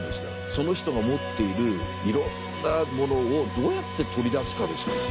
その人が持っているいろんなものをどうやって取り出すかですから。